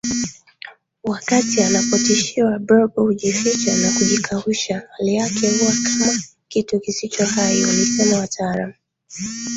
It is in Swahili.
Wakati anapotishiwa Blob hujifcha na kujikausha Hali yake huwa kama kitu kisichohai walisema wataalamu